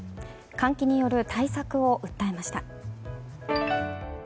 換気による対策を訴えました。